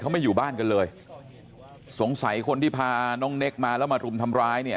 เขาไม่อยู่บ้านกันเลยสงสัยคนที่พาน้องเน็กมาแล้วมารุมทำร้ายเนี่ย